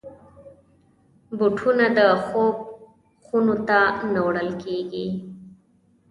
بوټونه د خوب خونو ته نه وړل کېږي.